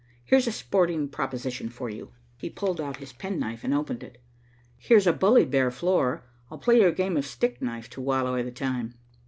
Here's a sporting proposition for you." He pulled out his penknife and opened it. "Here's a bully bare floor. I'll play you a game of stick knife to while away the time."